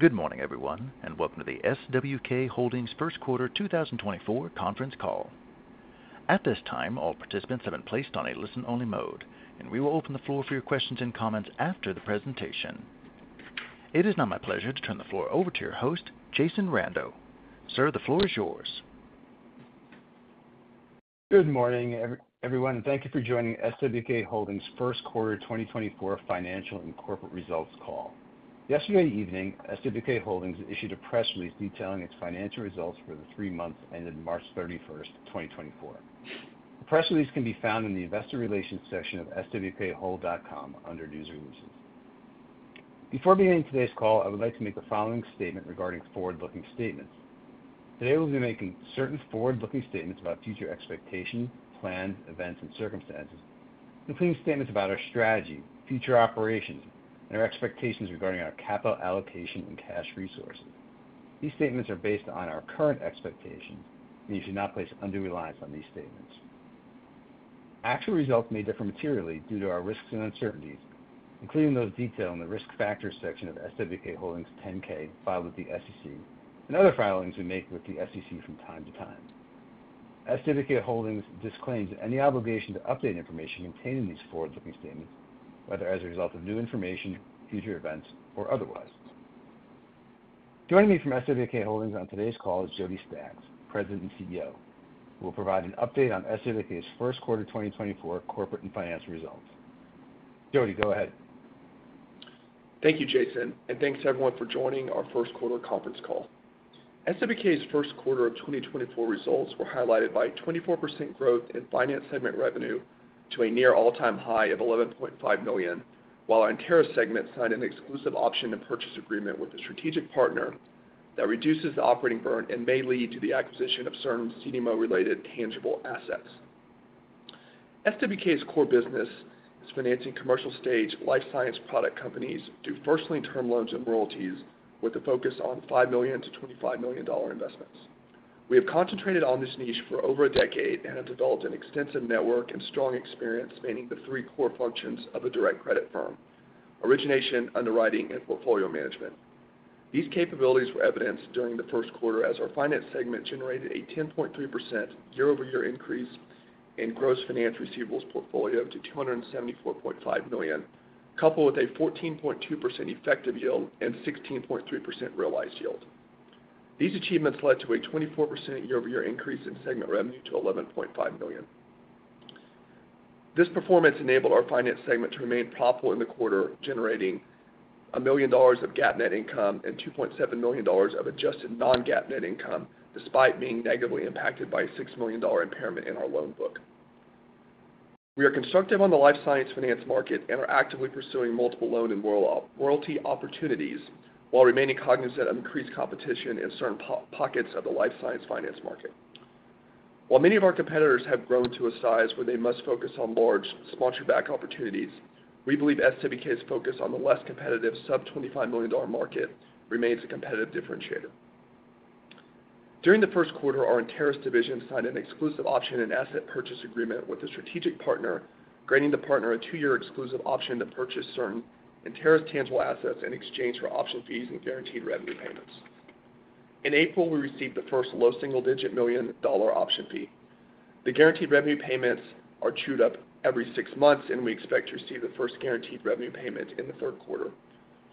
Good morning, everyone, and welcome to the SWK Holdings First Quarter 2024 conference call. At this time, all participants have been placed on a listen-only mode, and we will open the floor for your questions and comments after the presentation. It is now my pleasure to turn the floor over to your host, Jason Rando. Sir, the floor is yours. Good morning, everyone, and thank you for joining SWK Holdings' first quarter 2024 financial and corporate results call. Yesterday evening, SWK Holdings issued a press release detailing its financial results for the three months ended March 31, 2024. The press release can be found in the Investor Relations section of swkhold.com under News Releases. Before beginning today's call, I would like to make the following statement regarding forward-looking statements. Today, we'll be making certain forward-looking statements about future expectations, plans, events, and circumstances, including statements about our strategy, future operations, and our expectations regarding our capital allocation and cash resources. These statements are based on our current expectations, and you should not place undue reliance on these statements. Actual results may differ materially due to our risks and uncertainties, including those detailed in the Risk Factors section of SWK Holdings' 10-K filed with the SEC and other filings we make with the SEC from time to time. SWK Holdings disclaims any obligation to update information contained in these forward-looking statements, whether as a result of new information, future events, or otherwise. Joining me from SWK Holdings on today's call is Jody Staggs, President and CEO, who will provide an update on SWK's first quarter 2024 corporate and financial results. Jody, go ahead. Thank you, Jason, and thanks to everyone for joining our first quarter conference call. SWK's first quarter of 2024 results were highlighted by 24% growth in finance segment revenue to a near all-time high of $11.5 million, while our Enteris segment signed an exclusive option and purchase agreement with a strategic partner that reduces the operating burn and may lead to the acquisition of certain CDMO-related tangible assets. SWK's core business is financing commercial-stage life science product companies through first lien term loans and royalties, with a focus on $5 million-$25 million dollar investments. We have concentrated on this niche for over a decade and have developed an extensive network and strong experience spanning the three core functions of a direct credit firm: origination, underwriting, and portfolio management. These capabilities were evidenced during the first quarter as our finance segment generated a 10.3% year-over-year increase in gross finance receivables portfolio to $274.5 million, coupled with a 14.2% effective yield and 16.3% realized yield. These achievements led to a 24% year-over-year increase in segment revenue to $11.5 million. This performance enabled our finance segment to remain profitable in the quarter, generating $1 million of GAAP net income and $2.7 million of adjusted non-GAAP net income, despite being negatively impacted by a $6 million impairment in our loan book. We are constructive on the life science finance market and are actively pursuing multiple loan and royalty opportunities while remaining cognizant of increased competition in certain pockets of the life science finance market. While many of our competitors have grown to a size where they must focus on large sponsor-backed opportunities, we believe SWK's focus on the less competitive sub-$25 million market remains a competitive differentiator. During the first quarter, our Enteris division signed an exclusive option and asset purchase agreement with a strategic partner, granting the partner a 2-year exclusive option to purchase certain Enteris tangible assets in exchange for option fees and guaranteed revenue payments. In April, we received the first low single-digit $ million-dollar option fee. The guaranteed revenue payments are due every 6 months, and we expect to receive the first guaranteed revenue payment in the third quarter.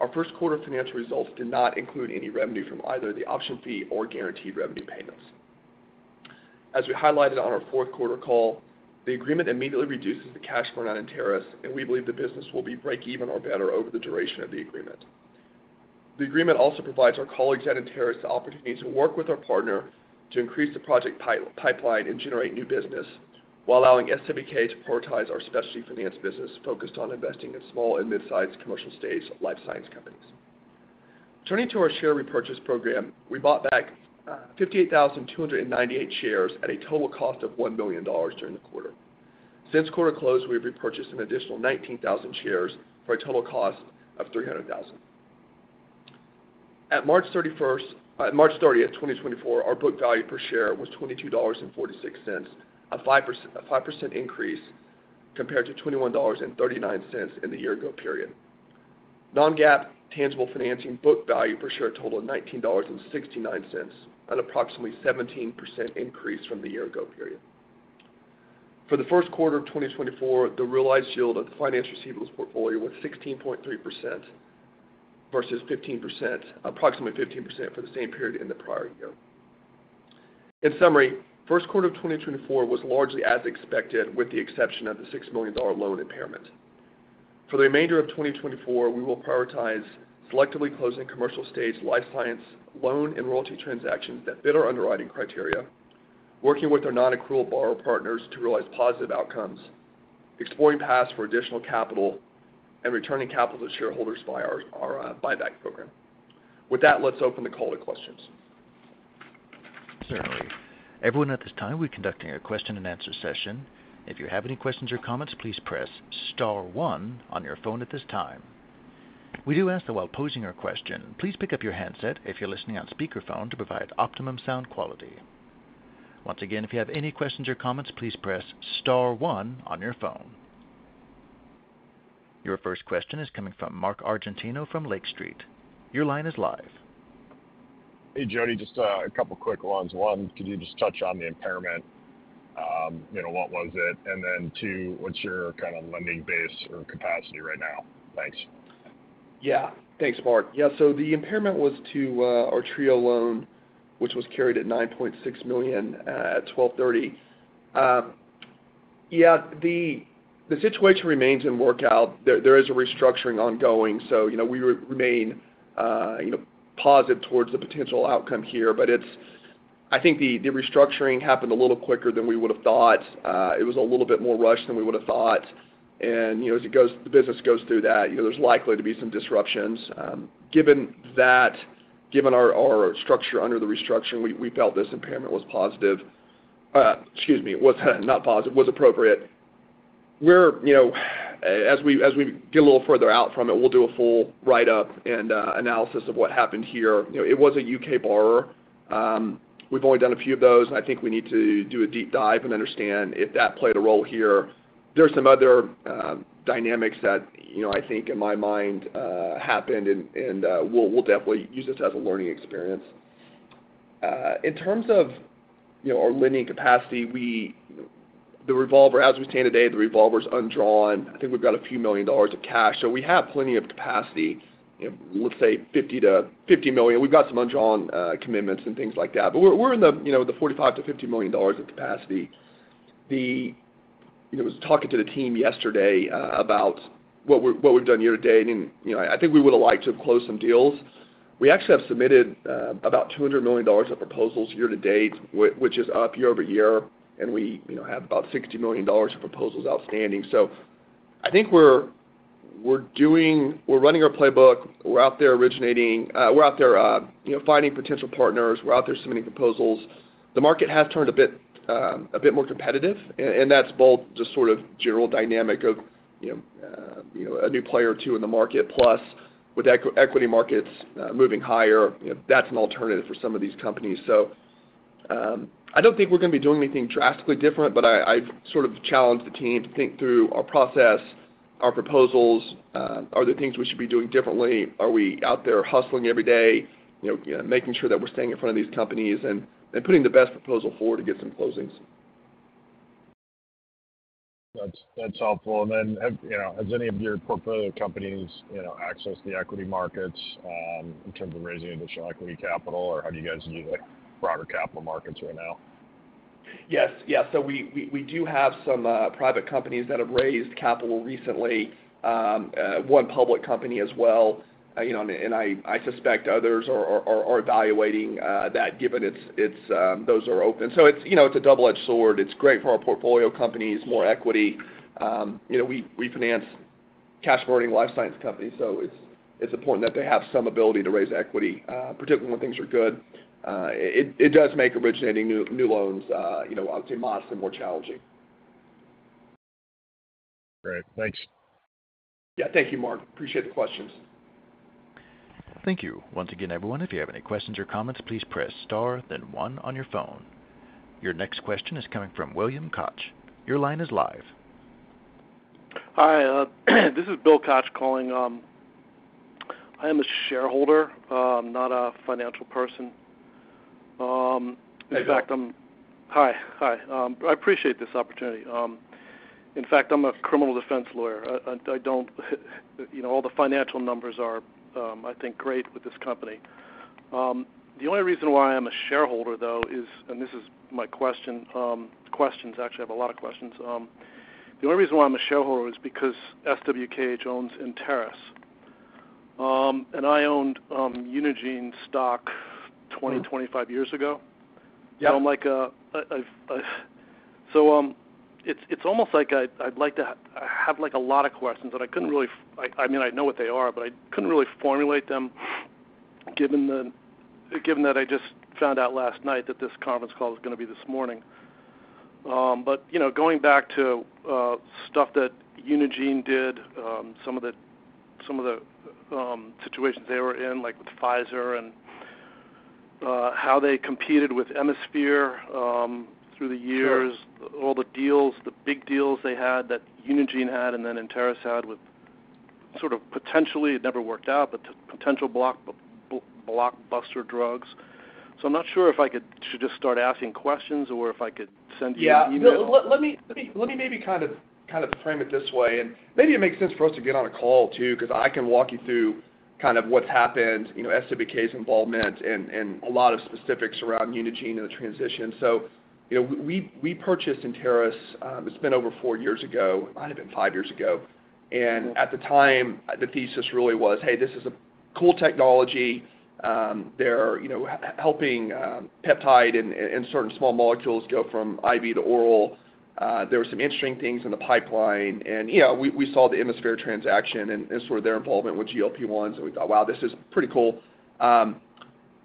Our first quarter financial results did not include any revenue from either the option fee or guaranteed revenue payments. As we highlighted on our fourth quarter call, the agreement immediately reduces the cash burn on Enteris, and we believe the business will be break even or better over the duration of the agreement. The agreement also provides our colleagues at Enteris the opportunity to work with our partner to increase the project pipeline and generate new business, while allowing SWK to prioritize our specialty finance business, focused on investing in small and mid-sized commercial-stage life science companies. Turning to our share repurchase program, we bought back 58,298 shares at a total cost of $1 million during the quarter. Since quarter close, we've repurchased an additional 19,000 shares for a total cost of $300,000. At March thirtieth, 2024, our book value per share was $22.46, a 5% increase compared to $21.39 in the year ago period. Non-GAAP tangible financing book value per share totaled $19.69, an approximately 17% increase from the year ago period. For the first quarter of 2024, the realized yield of the finance receivables portfolio was 16.3% versus approximately 15% for the same period in the prior year. In summary, first quarter of 2024 was largely as expected, with the exception of the $6 million loan impairment. For the remainder of 2024, we will prioritize selectively closing commercial-stage life science loan and royalty transactions that fit our underwriting criteria, working with our non-accrual borrower partners to realize positive outcomes, exploring paths for additional capital, and returning capital to shareholders via our buyback program. With that, let's open the call to questions. Certainly. Everyone, at this time, we're conducting a question-and-answer session. If you have any questions or comments, please press star one on your phone at this time. We do ask that while posing your question, please pick up your handset if you're listening on speakerphone to provide optimum sound quality. Once again, if you have any questions or comments, please press star one on your phone.... Your first question is coming from Mark Argento from Lake Street. Your line is live. Hey, Jody, just a couple quick ones. One, could you just touch on the impairment? You know, what was it? And then two, what's your kind of lending base or capacity right now? Thanks. Yeah. Thanks, Mark. Yeah, so the impairment was to our Trio loan, which was carried at $9.6 million at 12/30. Yeah, the situation remains in workout. There is a restructuring ongoing, so, you know, we remain positive towards the potential outcome here. But it's. I think the restructuring happened a little quicker than we would have thought. It was a little bit more rushed than we would have thought. And, you know, as it goes, the business goes through that, you know, there's likely to be some disruptions. Given that, given our structure under the restructuring, we felt this impairment was positive. Excuse me, was not positive, was appropriate. We're, you know, as we, as we get a little further out from it, we'll do a full write-up and analysis of what happened here. You know, it was a U.K. borrower. We've only done a few of those, and I think we need to do a deep dive and understand if that played a role here. There are some other dynamics that, you know, I think in my mind happened, and we'll definitely use this as a learning experience. In terms of, you know, our lending capacity, the revolver, as we stand today, the revolver's undrawn. I think we've got $a few million of cash, so we have plenty of capacity, you know, let's say $50-$50 million. We've got some undrawn commitments and things like that, but we're in the, you know, the $45 million-$50 million of capacity. I was talking to the team yesterday about what we've done year-to-date, and, you know, I think we would have liked to have closed some deals. We actually have submitted about $200 million of proposals year-to-date, which is up year-over-year, and we, you know, have about $60 million of proposals outstanding. So I think we're doing. We're running our playbook, we're out there originating, we're out there, you know, finding potential partners, we're out there submitting proposals. The market has turned a bit, a bit more competitive, and that's both just sort of general dynamic of, you know, you know, a new player or two in the market, plus with equity markets moving higher, you know, that's an alternative for some of these companies. So, I don't think we're gonna be doing anything drastically different, but I've sort of challenged the team to think through our process, our proposals, are there things we should be doing differently? Are we out there hustling every day, you know, making sure that we're staying in front of these companies and putting the best proposal forward to get some closings. That's helpful. And then, you know, has any of your portfolio companies, you know, accessed the equity markets in terms of raising additional equity capital, or how do you guys view the broader capital markets right now? Yes. Yeah, so we do have some private companies that have raised capital recently, one public company as well. You know, and I suspect others are evaluating that given it's those are open. So it's, you know, it's a double-edged sword. It's great for our portfolio companies, more equity. You know, we finance cash-burning life science companies, so it's important that they have some ability to raise equity, particularly when things are good. It does make originating new loans, you know, I would say, modest and more challenging. Great. Thanks. Yeah. Thank you, Mark. Appreciate the questions. Thank you. Once again, everyone, if you have any questions or comments, please press star, then one on your phone. Your next question is coming from Bill Koch. Your line is live. Hi, this is Bill Koch calling. I am a shareholder, not a financial person. Hey, Bill. In fact, Hi. Hi. I appreciate this opportunity. In fact, I'm a criminal defense lawyer. I, I don't, you know, all the financial numbers are, I think, great with this company. The only reason why I'm a shareholder, though, is, and this is my question, questions, actually, I have a lot of questions. The only reason why I'm a shareholder is because SWKH owns Enteris, and I owned Unigene stock 25 years ago. Yeah. I'm like, I've-- So, it's almost like I'd like to have, like, a lot of questions, but I couldn't really... I mean, I know what they are, but I couldn't really formulate them, given that I just found out last night that this conference call was gonna be this morning. But, you know, going back to stuff that Unigene did, some of the situations they were in, like with Pfizer and how they competed with Emisphere, through the years- Sure. All the deals, the big deals they had that Unigene had, and then Enteris had with sort of potentially, it never worked out, but potential blockbuster drugs. So I'm not sure if I could, should just start asking questions or if I could send you an email? Yeah. Let me maybe kind of frame it this way, and maybe it makes sense for us to get on a call, too, because I can walk you through kind of what's happened, you know, SWK's involvement and a lot of specifics around Unigene and the transition. So you know, we purchased Enteris, it's been over four years ago. It might have been five years ago. And at the time, the thesis really was, hey, this is a cool technology. They're, you know, helping peptide and certain small molecules go from IV to oral. There were some interesting things in the pipeline, and, you know, we saw the Emisphere transaction and sort of their involvement with GLP-1, and we thought, wow, this is pretty cool.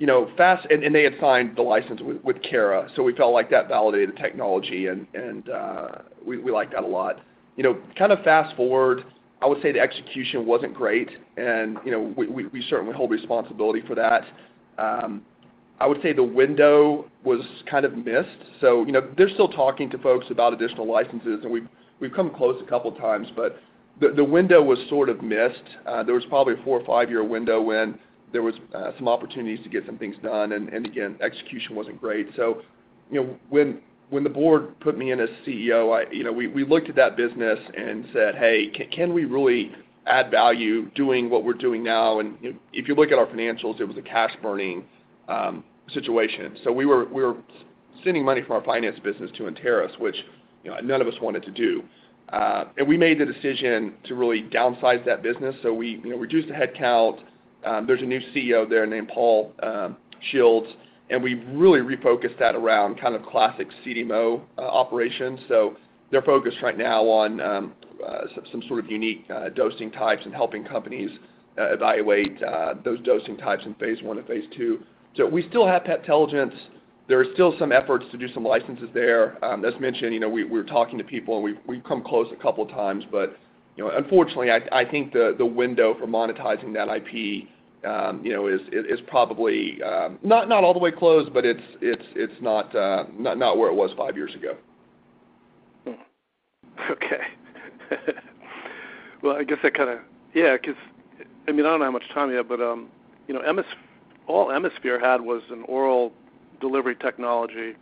You know, they had signed the license with Cara, so we felt like that validated the technology, and we liked that a lot. You know, kind of fast-forward, I would say the execution wasn't great, and, you know, we certainly hold responsibility for that. I would say the window was kind of missed. So, you know, they're still talking to folks about additional licenses, and we've come close a couple of times, but the window was sort of missed. There was probably a four- or five-year window when there was some opportunities to get some things done, and again, execution wasn't great. So, you know, when the board put me in as CEO, I, you know, we looked at that business and said, Hey, can we really add value doing what we're doing now? And if you look at our financials, it was a cash-burning situation. So we were sending money from our finance business to Enteris, which, you know, none of us wanted to do. And we made the decision to really downsize that business, so we, you know, reduced the headcount. There's a new CEO there named Paul Shields, and we've really refocused that around kind of classic CDMO operations. So they're focused right now on some sort of unique dosing types and helping companies evaluate those dosing types in phase I and phase II. So we still have Peptelligence. There are still some efforts to do some licenses there. As mentioned, you know, we're talking to people, and we've come close a couple of times, but, you know, unfortunately, I think the window for monetizing that IP, you know, is probably not all the way closed, but it's not where it was five years ago. Okay. Well, I guess that kind of... Yeah, 'cause, I mean, I don't have much time yet, but, you know, all Emisphere had was an oral delivery technology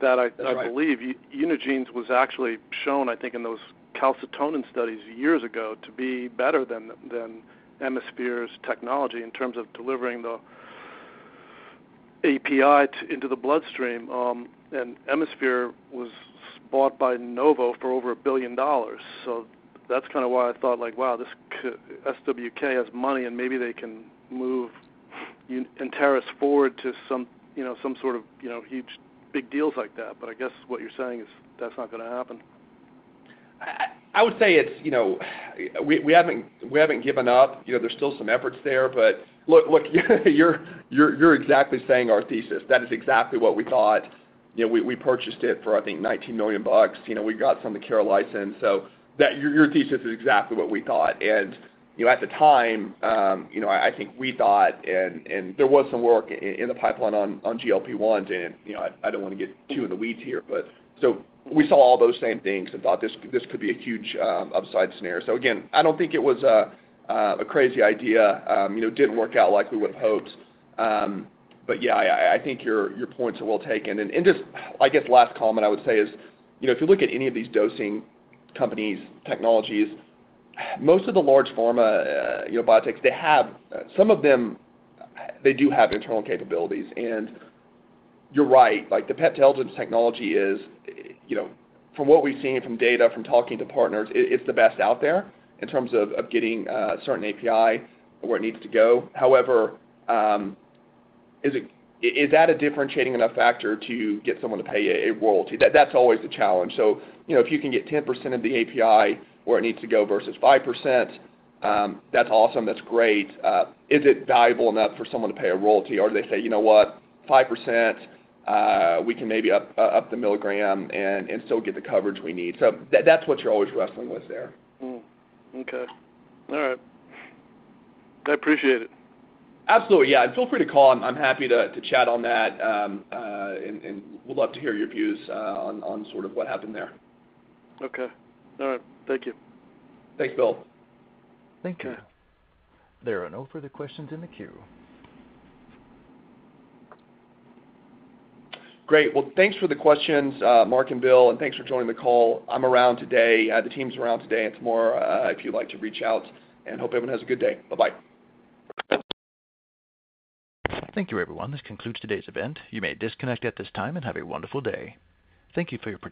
that I- That's right. I believe Unigene's was actually shown, I think, in those calcitonin studies years ago to be better than, than Emisphere's technology in terms of delivering the API into the bloodstream. And Emisphere was bought by Novo for over $1 billion. So that's kind of why I thought, like, wow, this SWK has money, and maybe they can move Enteris forward to some, you know, some sort of, you know, huge, big deals like that. But I guess what you're saying is that's not gonna happen. I would say it's, you know, we haven't given up. You know, there's still some efforts there, but look, you're exactly saying our thesis. That is exactly what we thought. You know, we purchased it for, I think, $19 million. You know, we got some of the Cara license, so that, your thesis is exactly what we thought. And, you know, at the time, you know, I think we thought, and there was some work in the pipeline on GLP-1s, and, you know, I don't want to get too in the weeds here, but... So we saw all those same things and thought this, this could be a huge upside scenario. So again, I don't think it was a crazy idea. You know, it didn't work out like we would have hoped. But yeah, I think your points are well taken. And just, I guess, last comment I would say is, you know, if you look at any of these dosing companies' technologies, most of the large pharma, you know, biotechs, they have, some of them, they do have internal capabilities. And you're right, like, the Peptelligence technology is, you know, from what we've seen from data, from talking to partners, it, it's the best out there in terms of getting certain API where it needs to go. However, is it a differentiating enough factor to get someone to pay a royalty? That's always the challenge. So, you know, if you can get 10% of the API where it needs to go versus 5%, that's awesome. That's great. Is it valuable enough for someone to pay a royalty, or do they say, You know what? 5%, we can maybe up the milligram and still get the coverage we need. So that's what you're always wrestling with there. Hmm, okay. All right. I appreciate it. Absolutely. Yeah, and feel free to call. I'm happy to chat on that, and would love to hear your views on sort of what happened there. Okay. All right. Thank you. Thanks, Bill. Thank you. Okay. There are no further questions in the queue. Great. Well, thanks for the questions, Mark and Bill, and thanks for joining the call. I'm around today. The team's around today and tomorrow, if you'd like to reach out, and hope everyone has a good day. Bye-bye. Thank you, everyone. This concludes today's event. You may disconnect at this time and have a wonderful day. Thank you for your participation.